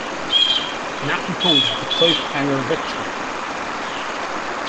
National pulled off a cliff-hanger victory.